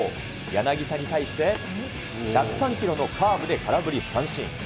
柳田に対して、１０３キロのカーブで空振り三振。